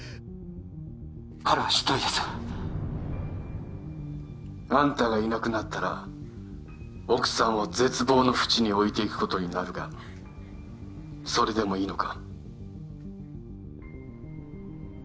彼は執刀医ですあんたがいなくなったら奥さんを絶望のふちに置いていくことになるがそれでもいいのか？